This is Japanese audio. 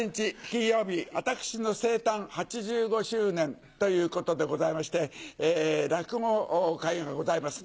金曜日私の生誕８５周年ということでございまして落語会がございます。